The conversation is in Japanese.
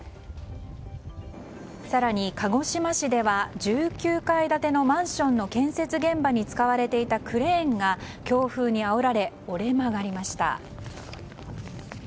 更に、鹿児島市では１９階建てのマンションの建設現場に使われていたクレーンが強風にあおられ折れ曲がりました。